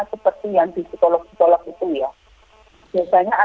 seperti yang di psikolog psikolog itu ya